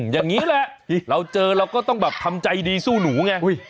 อย่างนี้แหละเราเจอเราก็ต้องแบบทำใจดีสู้หนูไง